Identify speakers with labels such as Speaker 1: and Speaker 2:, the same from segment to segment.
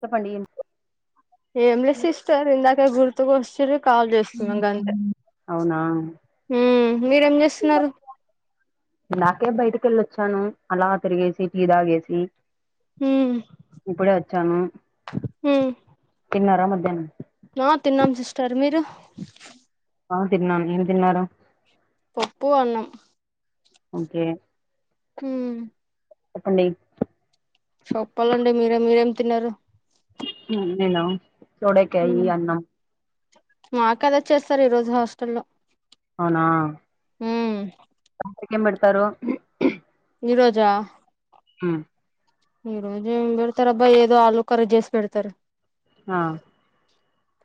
Speaker 1: చెప్పండి
Speaker 2: ఏంలేదు సిస్టర్ ఇందాకే గుర్తుకు వచిర్రు కాల్ చేస్తున్నా గంతే
Speaker 1: అవునా
Speaker 2: ఉం మీరేం చేస్తున్నారు
Speaker 1: ఇందాకే బయటి కేళ్ళొచ్చాను అలా తిరిగేసి టీ తాగేసి
Speaker 2: మ్మ్
Speaker 1: ఇప్పుడే వచ్చాను
Speaker 2: మ్మ్
Speaker 1: తిన్నార మరి
Speaker 2: తర్ మీరు
Speaker 1: ఆ తిన్నాను మీరు తిన్నార
Speaker 2: పప్పు అన్నం
Speaker 1: ఓకే
Speaker 2: హమ్
Speaker 1: చెప్పండి
Speaker 2: చెప్పాలండి మీరే మీరేం తిన్నారు
Speaker 1: నను చూడకయి
Speaker 2: మ్మ్
Speaker 1: [unintelligible] అన్నం
Speaker 2: మాకు అదే చేస్తారు ఈ రోజు హాస్టల్ల్లో
Speaker 1: అవునా
Speaker 2: ఉం
Speaker 1: కేం పేడతారు
Speaker 2: ఈరోజా
Speaker 1: హమ్
Speaker 2: ఈ రోజు ఏం పెడతారబ్బా ఏదో ఆలు కర్రి చేసి పెడతారు
Speaker 1: ఆ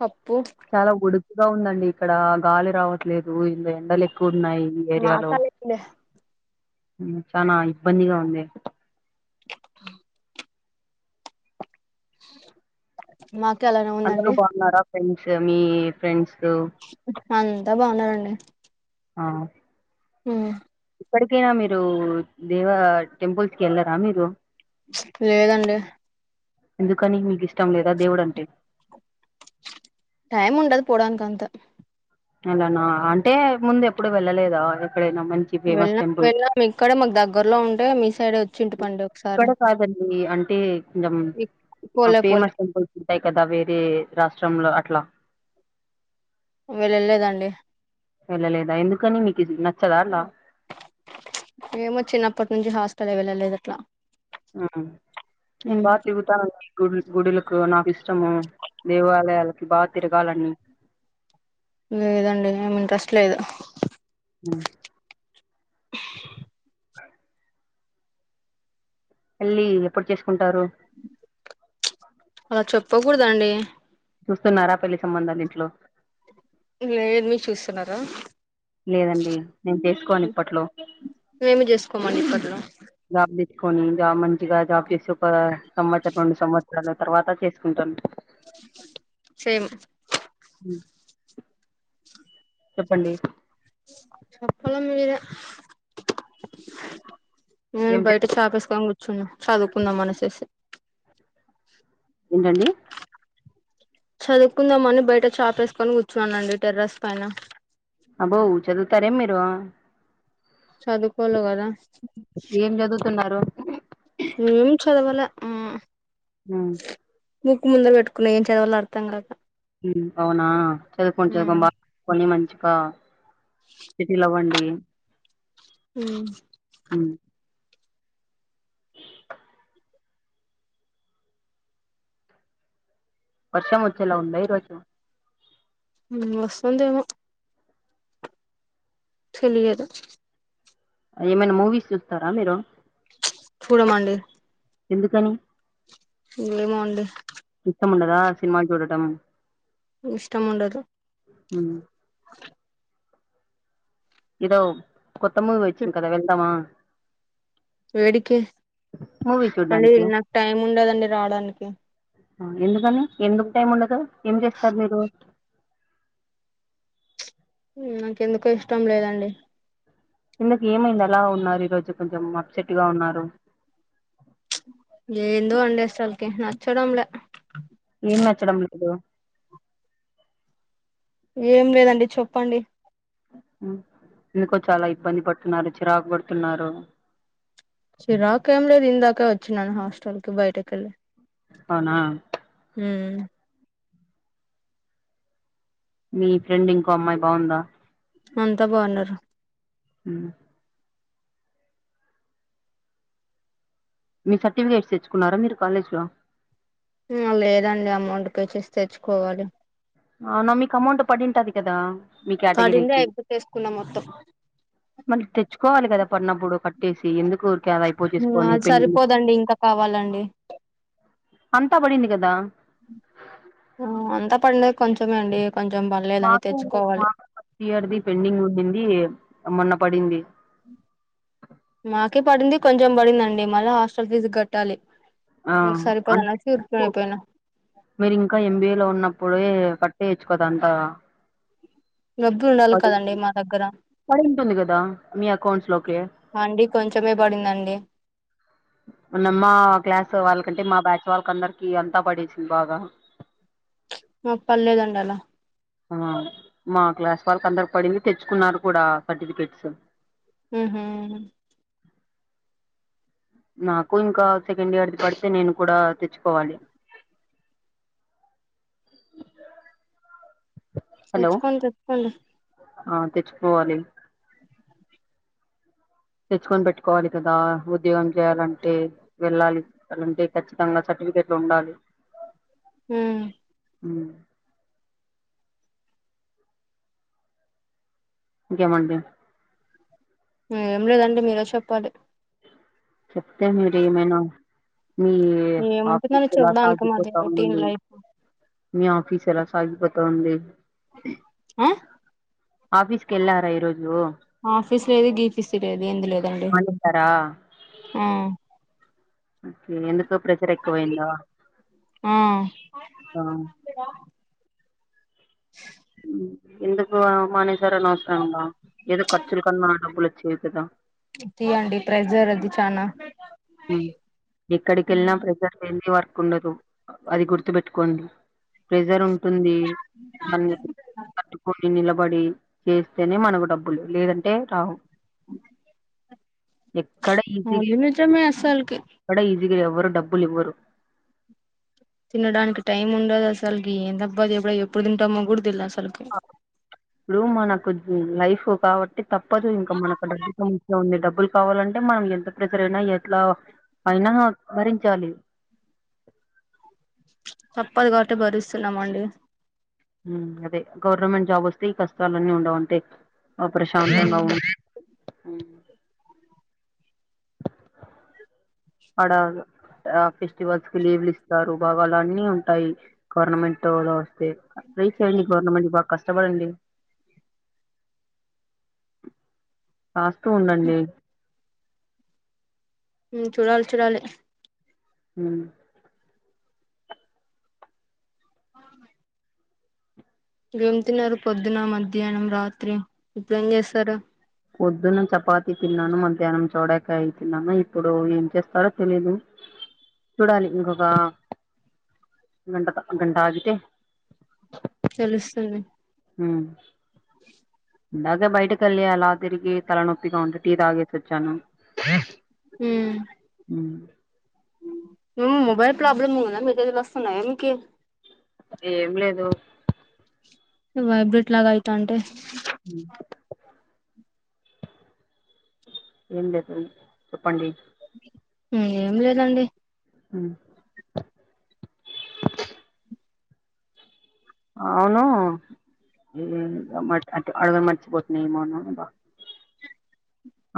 Speaker 2: పప్పు
Speaker 1: చాలా ఉడుకుగా ఉందండి ఇక్కడ గాలి రావట్లేదు ఇంగ ఎండలు ఎక్కువ ఉన్నాయి ఈ
Speaker 2: మాకు
Speaker 1: ఏరియాలో
Speaker 2: అలాగే
Speaker 1: ఉం చానా ఇబ్బందిగా ఉంది
Speaker 2: మాకు అలానే
Speaker 1: అందరూ
Speaker 2: ఉందండి
Speaker 1: బాగున్నారా ఫ్రెండ్స్ మీ ఫ్రెండ్స్
Speaker 2: అంతా బావున్నారండి
Speaker 1: ఆ
Speaker 2: ఉం
Speaker 1: ఇప్పడి కైన మీరు దేవ టెంపుల్స్ కి ఎల్లారా మీరు
Speaker 2: చ్ లేదండి
Speaker 1: ఎందుకని మీకు ఇష్టం లేదా దేవుడు అంటే
Speaker 2: టైం ఉండదు పోడాని కంత
Speaker 1: అలానా అంటే ముందు ఎప్పుడు వెళ్ళలేదా ఎక్కడైనా మంచి ఫేమస్
Speaker 2: వెళ్ళాం
Speaker 1: టెంపుల్
Speaker 2: వెళ్ళాం ఇక్కడ మాకు దగ్గరలో ఉంటే మీ సైడే వచ్చింటిమండి ఒకసారి
Speaker 1: ఇక్కడ కాదండి అంటే జమ్
Speaker 2: పోలే పోలే
Speaker 1: ఫేమస్ టెంపుల్స్ ఉంటాయి కదా వేరే రాష్ట్రంలో అట్లా
Speaker 2: వెళ్లేదండి
Speaker 1: వెళ్ళలేదా ఎందుకని మీకు నచ్చదా అలా
Speaker 2: ఏమో చిన్నప్పటి నుంచి హాస్టల్ వెళ్ళలేదు అట్లా
Speaker 1: ఆ నేను
Speaker 2: ఉమ్
Speaker 1: బాగా తిరుగుతాను గుడు గుడులకు నాకు ఇష్టము దేవాలయాలకి బాగా తిరగాలని ఉ
Speaker 2: లేదండి ఏమి ఇంట్రెస్ట్ లేదు
Speaker 1: ఆ పెళ్లి ఎప్పుడు చేసుకుంటారు
Speaker 2: అలా చెప్పకూడదండి
Speaker 1: చూస్తున్నారా పెళ్లి సంబంధాలు ఇంట్లో
Speaker 2: లేదు మీ చూస్తున్నారా
Speaker 1: లేదండి నేను చేసుకోను ఇప్పట్లో
Speaker 2: మేము చేసుకోమండి ఇప్పట్లో
Speaker 1: జాబ్ చూసుకుని జాబ్ మంచిగా జాబ్ చేసి ఒక సంవత్సరం రెండు సంవత్సరాల తర్వాత చేసుకుంటాను
Speaker 2: సేమ్
Speaker 1: ఉ చెప్పండి
Speaker 2: చెప్పాలి మీరే నేను
Speaker 1: ఏం చే
Speaker 2: బయట చాపేసుకొని కూర్చున్న చదువుకుందాంమనసేసి
Speaker 1: ఏంటండి
Speaker 2: చదువుకుందామని బయట చాప వేసుకొని కూర్చున్నానండి టెర్రస్ పైన
Speaker 1: అబ్బో చదువుతారా మీరు
Speaker 2: చదువుకోల కదా
Speaker 1: ఏం చదువుతున్నారు
Speaker 2: ఏం చదవాలే ఆ
Speaker 1: ఆ
Speaker 2: బుక్కు ముందల పెట్టుకున్నా ఏం చదవాలో అర్థం కాక
Speaker 1: అవునా చదువుకోండి చదువుకోండి బాగా చదువుకోండి మంచిగా ఇకా సెటిల్ అవ్వండి
Speaker 2: ఉ
Speaker 1: ఉ వర్షం వచ్చేలా ఉందా ఈ రోజు
Speaker 2: వస్తుందేమో తెలియదు
Speaker 1: ఏమైనా మూవీస్ చూస్తారా మీరు
Speaker 2: చ్ చూడమంటే
Speaker 1: ఎందుకని
Speaker 2: ఏమో అండి
Speaker 1: ఇష్టం ఉండదా సినిమాలు చూడటం
Speaker 2: ఇష్టంము ఉండదు
Speaker 1: హ్మ్ ఏదో కొత్తమూవి వచ్చంది కదా వెళ్దమా
Speaker 2: ఏడికే అండి
Speaker 1: చూడ్డానికి
Speaker 2: నాకు టైం ఉండదండి రాడానికి
Speaker 1: ఆ ఎందుకని ఎందుకు టైం ఉండదు ఏం చేస్తారు మీరు
Speaker 2: హ్మ్ నాకెందుకో ఇష్టం లేదండి
Speaker 1: ఎందుకు ఏమైంది ఆలా ఉన్నారు ఈ రోజు కొంచెం అప్సెట్ గా ఉన్నారు
Speaker 2: ఏందో అండి అసల్కి నచ్చడంలె
Speaker 1: ఏం నచ్చడం లేదు
Speaker 2: ఏం లేదండి చెప్పండి
Speaker 1: ఏందుకో చాలా ఇబ్బంది పడుతున్నారు చిరాకు పడుతున్నారు
Speaker 2: చిరాకేంలేదు ఇందాక వచ్చిన్నాను హాస్టల్ కి బయటకెళ్ళి
Speaker 1: అవునా
Speaker 2: హ్మ్
Speaker 1: మీ ఫ్రెండ్ ఇంకో అమ్మాయి బాగుందా
Speaker 2: అంతా బాగున్నారు
Speaker 1: హ్ మీ సర్టిఫికేట్స్ తెచ్చుకున్నారా మీరు కాలేజ్లో
Speaker 2: లేదండి అమౌంట్ పే చేసి తెచ్చుకోవాలి
Speaker 1: అవునా మీకు అమౌంట్ పడింటది కదా మీ
Speaker 2: పడిందే
Speaker 1: కేటగిరికి
Speaker 2: అయిపోతే వేసుకున్నా మొత్తం
Speaker 1: మళ్ళ తెచ్చుకోవాలి కదా పొన్నప్పుడు కట్టేసి ఎందుకు కుర్కే అవైపో తిసుకొని
Speaker 2: అది
Speaker 1: పిం
Speaker 2: సరిపోదండి ఇంకా కావాలండి
Speaker 1: అంతా పడింది కదా
Speaker 2: ఆ అంతా పడలేదు కొంచమే అండి కొంచెం పడలేదని
Speaker 1: మాకు
Speaker 2: తెచ్చుకోవాలి
Speaker 1: మాకు పతియర్ది పెండింగ్ ఉండీంది మొన్న పడింది
Speaker 2: మాకే పడింది కొంచెం పడిందండి మళ్ళీ హాస్టల్ ఫీజు కట్టాలి
Speaker 1: ఆ
Speaker 2: ఇంక
Speaker 1: అంటే
Speaker 2: సరిపోదన్నర్కు అయిపోయినా
Speaker 1: మీరు ఇంకా ఎంబీఏలో ఉన్నప్పుడే కట్టేయచ్చు కదా అంతా
Speaker 2: డబ్బు ఉండాలి
Speaker 1: పడి
Speaker 2: కదండి మా దగ్గర
Speaker 1: పడింటుంది కదా మీ అకౌంట్స్ లోకి
Speaker 2: అండి కొంచమే పడిందండి
Speaker 1: ఉన్నమ్మా క్లాస్ వాళ్ళకంటే మా బ్యాచ్ వాళ్ళకి అందరికి అంతా పడేసింది బాగా
Speaker 2: మాకు పడలేదండి అలా
Speaker 1: ఆ మా క్లాస్ వాళ్ళకి అందరు పడింది తెచ్చుకున్నారు కూడా సర్టిఫికెట్స్
Speaker 2: ఊహ్మ్
Speaker 1: నాకు ఇంకా సెకండ్ ఇయర్ది పడితే నేను కూడా తెచ్చుకోవాలి హలో
Speaker 2: తెచ్చుకోండి తెచ్చుకోండి
Speaker 1: ఆ తెచ్చికోవాలి తెచ్చుకొని పెట్టుకోవాలి కదా ఉద్యోగం చేయాలంటే వెళ్ళాలిలంటే ఖచ్చితంగా చ సర్టిఫికెట్లు ఉండాలి
Speaker 2: హ్మ్
Speaker 1: అ ఇంకేమండీ
Speaker 2: ఏం లేదండి మీరే చెప్పాలి
Speaker 1: చెప్తే మీరు ఏమైనా మీ ఆఫీస్
Speaker 2: ఏముంటుందని
Speaker 1: ఎలా
Speaker 2: చెప్పడానికి మాది
Speaker 1: సాగిపోతా
Speaker 2: రొటీన్
Speaker 1: ఉందండి
Speaker 2: లైఫ్
Speaker 1: మీ ఆఫీస్ ఎలా సాగిపోతా ఉంది
Speaker 2: ఆ
Speaker 1: ఆఫీస్ కెల్లారా ఈ రోజ్
Speaker 2: ఆఫీస్ లేదు గీఫీసు లేదు ఎంది లేదండి
Speaker 1: మానేశారా
Speaker 2: ఆ
Speaker 1: ఓకే ఎందుకు ప్రెషర్ ఎక్కువైందా
Speaker 2: ఆ
Speaker 1: సా హు ఎందుకు ఆ మానేసారనవసరంగా ఏదో ఖర్చలు కన్నా డబ్బలొ చేసెదా
Speaker 2: తీయండి ప్రైజర్ అది చనా
Speaker 1: ఉమ్ కుండదు అది గుర్తు పెెట్టుకోండి ప్రెజర్ ఉం టుంది దాన్ని పట్టుకొన్ నేన్ నిలబడి చేస్తేనే మనకు డబ్బులు లేదంటే రావ్ ఎక్కడ ఈజీగ్ ఏం లెవ్
Speaker 2: సల్కి
Speaker 1: ఇకడ ఎవ్వరు డబ్బులివ్వరు
Speaker 2: తినడానికి టైం ఉండదు అసల్కి ఏందబ్బ ఎప్పుడయి ఎప్పుడు తింటామో కూడా తెల్ దస్
Speaker 1: ఆ రూమ్ మనకు లైఫు కావట్ తప్పదు ఇంకా మనకు డబ్బు సమస్య ఉంది డబ్బుల్ కావాలంటే మనం ఎంత ప్రెసర్ అయినా ఎట్లా అయినా భరించాలి [inaudible]
Speaker 2: తప్పదు కావట్టి భరిస్తున్నామండి
Speaker 1: హ్మ్ అదే గవర్నమెంట్ జాబ్ వస్తే ఈ కష్టాలన్నీ ఉండవంతే అ ప్రశాంతంగా
Speaker 2: ఉమ్
Speaker 1: ఉం హు అడాగ ఆ ఫెస్టివల్స్ కి లీవ్లు ఇస్తారు బాగాలన్ని ఉంటాయి గవర్నమెంటు లో చేస్తా ట్రై చేయండి గవర్నమెంట్ బా కష్టపడండి కాస్తూ ఉండండి
Speaker 2: హు చూడాల్ చూడాలి
Speaker 1: హు
Speaker 2: ఆవ్న గేమ్తిన్నారు పొద్దున మధ్యానం రాత్రి ఇప్పుడేంచేస్తారు
Speaker 1: పొద్దును చపాతి తిన్నాను మధ్యానం చూడ కాయి తిన్నాను ఇప్పుడు ఏం చేస్తారో తెలీదు చూడాలి ఇంకొకా గంట త గంటాగితే
Speaker 2: తెలుస్తుంది
Speaker 1: హు
Speaker 2: [inaudible]
Speaker 1: ఇందాకె బయట కెల్లి అలా తిరిగి తలనొప్పిగా ఉంటే టీ తాగేసొచ్చాను
Speaker 2: హూ
Speaker 1: ఉ
Speaker 2: ఎమో మొబైల్ ప్రాబ్లమ్ ఉన్నద మెసేజి లోస్తాన్నాయ మీకి
Speaker 1: ఏం లేదు
Speaker 2: వైబ్రెట్ లాగాయితాంటే
Speaker 1: మ్ ఏం చేస్తాం చెప్పండి
Speaker 2: ఏం లేదండి
Speaker 1: మ్ అవును మ్ అడగడం మర్చిపోతున్నా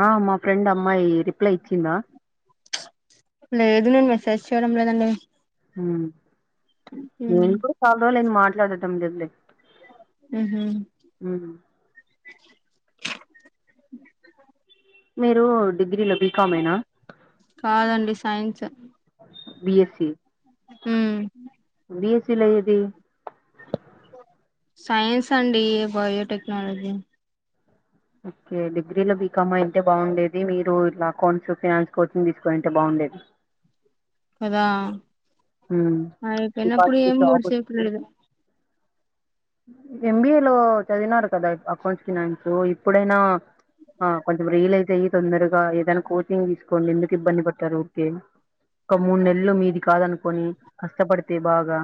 Speaker 1: ఆ మా ఫ్రెండ్ అమ్మాయి రిప్లై ఇచ్చిందా?
Speaker 2: లేదు నేను మెసేజ్ చేయడం లేదండి.
Speaker 1: హ్మ్ నేను
Speaker 2: ఉమ్
Speaker 1: కూడా చాలా రోజులు అయ్యింది మాట్లాడటం లేదు లే
Speaker 2: మ్ హూ
Speaker 1: మీరు డిగ్రీలో బీ బి. కామ్ యేనా?
Speaker 2: కాదండి సైన్స్
Speaker 1: బిఎస్సీ
Speaker 2: మ్
Speaker 1: బిఎస్సీలో ఏది
Speaker 2: సైన్స్ అండి బయోటెక్నాలజీ
Speaker 1: ఓకే డిగ్రీలో బీకామ్యింటే బాగుండేది. మీరు ఇట్లా అకౌంట్స్, ఫైనాన్స్ కోచింగ్ తీసుకునింటే బాగుండేది. [inaudible]
Speaker 2: కదా
Speaker 1: ఉమ్. ఈ
Speaker 2: అయిపోయినప్పుడు
Speaker 1: పాటికి
Speaker 2: ఏం
Speaker 1: జాబ్
Speaker 2: పొడిచేకి లేదు.
Speaker 1: ఎం. బి. ఏ లో చదివినారు కదా అకౌంట్స్ ఫైనాన్స్ ఇప్పుడైనా ఆ కొంచెం రియలైజ్ అయ్యి తొందరగా ఏదైనా కోచింగ్ తీసుకోండి. ఎందుకు ఇబ్బంది పడతారు ఊరికే ఒక మూడు నెలలు మీది కాదనుకొని కష్టపడితే బాగా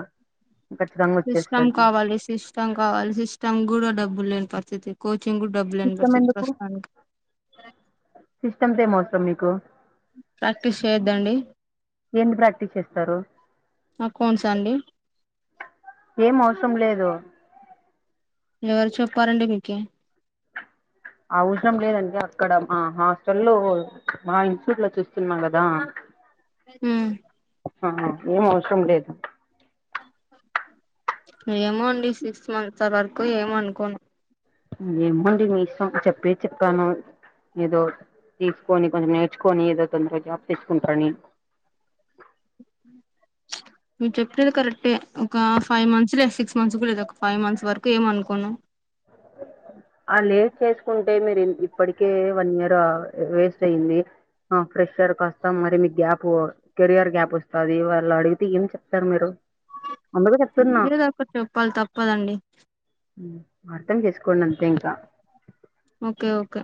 Speaker 1: ఖచ్చితంగా
Speaker 2: సిస్టమ్
Speaker 1: వచ్చేస్తది
Speaker 2: కావాలి సిస్టమ్ కావాలి సిస్టమ్ కూడా డబ్బులు లేని పరిస్థితి కోచింగ్ కోచింగ్‌కి డబ్బులు లేని
Speaker 1: సిస్టమ్
Speaker 2: పరిస్థితి
Speaker 1: ఎందుకు
Speaker 2: ప్రస్తుతానికి.
Speaker 1: సిస్టమ్‌తో ఏం అవసరం మీకు
Speaker 2: ప్రాక్టీస్ చేయొద్దండి
Speaker 1: ఏంది ప్రాక్టీస్ చేస్తారు?
Speaker 2: అకౌంట్స్ అండి
Speaker 1: ఏం అవసరం లేదు
Speaker 2: ఎవరు చెప్పారండి మీకు
Speaker 1: అవసరం లేదండి అక్కడ మా హాస్టల్ లో మా ఇన్స్టిట్యూట్ లో చూస్తున్నా కదా
Speaker 2: మ్
Speaker 1: మ్ ఏం అవసరం లేదు
Speaker 2: ఏమో అండి సిక్స్ మంత్స్ వరకు ఏం అనుకోను.
Speaker 1: ఏమోండి మీ ఇష్టం చెప్పేది చెప్పాను. ఏదో తీసుకొని, కొంచెం నేర్చుకొని ఏదో తొందరగా జాబ్ తెచ్చుకుంటారు అని [inaudible]
Speaker 2: మీరు చెప్తున్నది కరెక్టే ఒక ఫైవ్ మంత్స్ లేదా సిక్స్ మంత్స్ వరకు లేదు ఒక ఫైవ్ మంత్స్ వరకు ఏమనుకోను.
Speaker 1: అ లేట్ చేసుకుని అంటే మీరు ఇప్పటికే వన్ ఇయర్ వేస్ట్ అయింది ఆ ఫ్రెషర్ కాస్తా మరి మీకు గ్యాప్ కెరియర్ గ్యాప్ వస్తాది. వాళ్ళు అడిగితే ఏం చెప్తారు మీరు. అందుకే చెప్తున్నా
Speaker 2: ఏదో ఒకటి చెప్పాలి తప్పదండి.
Speaker 1: అర్థం చేసుకోండి అంతే ఇంక.
Speaker 2: Okay okay